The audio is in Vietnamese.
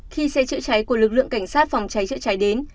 khi xe chữa cháy của lực lượng cảnh sát phòng cháy chữa cháy đến